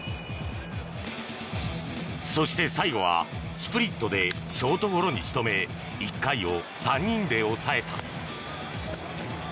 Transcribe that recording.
そして最後はスプリットでショートゴロに仕留め１回を３人で抑えた。